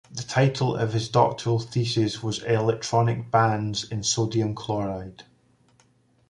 The title of his doctoral thesis was "Electronic Bands in Sodium Chloride".